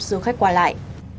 du khách qua lại